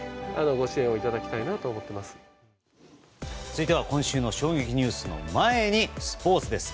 続いては今週の衝撃ニュースの前にスポーツです。